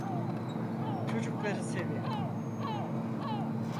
Çocukları severim.